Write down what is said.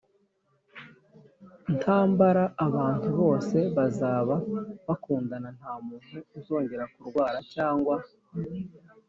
ntambara Abantu bose bazaba bakundana Nta muntu uzongera kurwara cyangwa